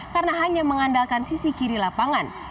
karena hanya mengandalkan sisi kiri lapangan